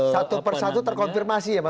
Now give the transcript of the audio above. satu persatu terkonfirmasi ya mas